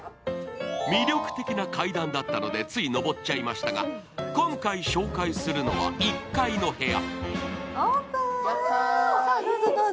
魅力的な階段だったのでつい上っちゃいましたが、今回紹介するのは１階の部屋。